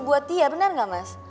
buat dia bener gak mas